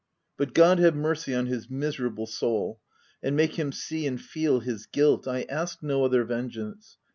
— But God have mercy on his miserable soul !— and make him see and feel his guilt — I ask no other vengeance